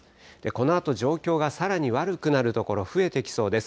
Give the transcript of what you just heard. このあと状況がさらに悪くなる所、増えてきそうです。